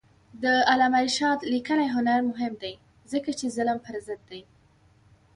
د علامه رشاد لیکنی هنر مهم دی ځکه چې ظلم پر ضد دی.